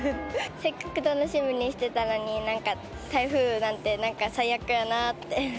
せっかく楽しみにしてたのに、なんか、台風なんて、なんか最悪だなぁって。